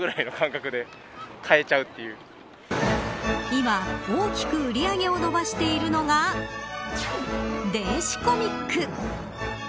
今、大きく売り上げを伸ばしているのが電子コミック。